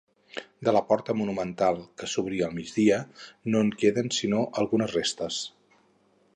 De la porta monumental que s'obria al migdia no en queden sinó algunes restes.